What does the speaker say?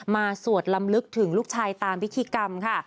สวดลำลึกถึงลูกชายตามพิธีกรรมค่ะ